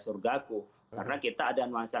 surgaku karena kita ada nuansa